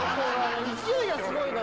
勢いがすごいね。